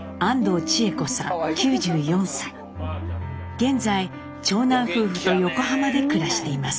現在長男夫婦と横浜で暮らしています。